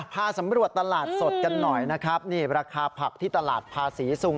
พาสำรวจตลาดสดกันหน่อยนะครับนี่ราคาผักที่ตลาดภาษีซุง